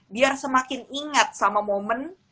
biar semakin ingat sama momen